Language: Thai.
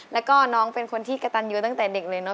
แล้วก็น้องเป็นคนที่กระตันยูตั้งแต่เด็กเลยเนอ